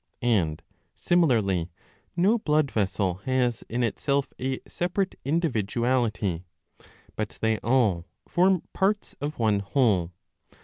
And similarly no blood vessel has in itself a separate individuality; but they all form parts of one whole.